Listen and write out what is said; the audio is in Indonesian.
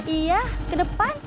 iya ke depan